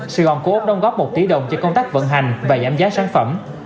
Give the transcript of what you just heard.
sài gòn cố úc đóng góp một tỷ đồng cho công tác vận hành và giảm giá sản phẩm